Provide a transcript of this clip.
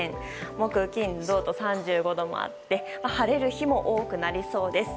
木、金、土と３５度もあって晴れる日も多くなりそうです。